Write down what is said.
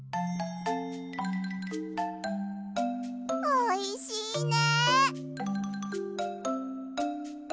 おいしいね！